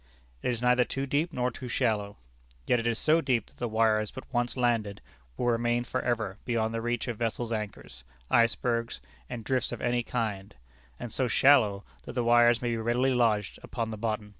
It is neither too deep nor too shallow; yet it is so deep that the wires but once landed, will remain for ever beyond the reach of vessels' anchors, icebergs, and drifts of any kind, and so shallow, that the wires may be readily lodged upon the bottom.